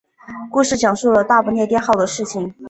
故事讲述了大不列颠号的事情。